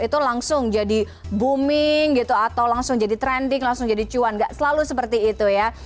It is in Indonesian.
itu langsung jadi booming gitu atau langsung jadi trending langsung jadi cuan gak selalu seperti itu ya